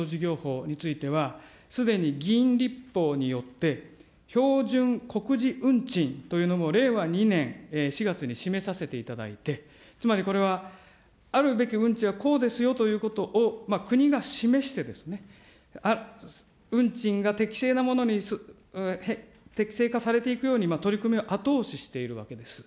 この特に貨物自動車運送事業法においては、すでに議員立法によって、標準告示運賃というのも令和２年４月に示させていただいて、つまりこれはあるべき運賃はこうですよということを国が示してですね、運賃が適正なものに、適正化されていくように取り組みを後押ししているわけです。